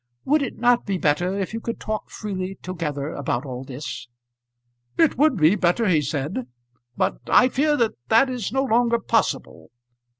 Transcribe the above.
Would it not be better if you could talk freely together about all this?" "It would be better," he said; "but I fear that that is no longer possible.